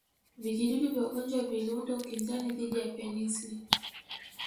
Vijidudu vya ugonjwa viliunda ukinzani dhidi ya penicillin